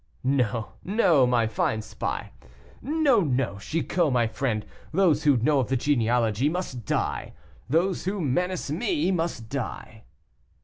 "No, no, my fine spy; no, no, Chicot, my friend, those who know of the genealogy must die. Those who menace me must die."